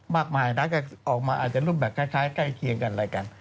มากมายนะก็ออกมาอาจจะรูปแบบคล้ายใกล้เคียงกันอะไรกัน